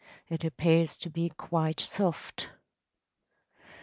It appears to be quite soft.